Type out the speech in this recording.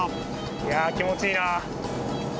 いやー、気持ちいいな。